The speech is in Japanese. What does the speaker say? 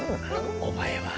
お前は。